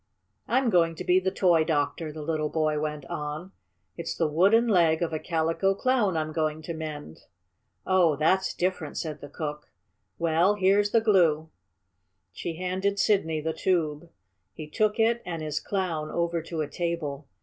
"I'm going to be the toy doctor," the little boy went on. "It's the wooden leg of a Calico Clown I'm going to mend." "Oh, that's different," said the cook. "Well, here's the glue." She handed Sidney the tube. He took it and his Clown over to a table.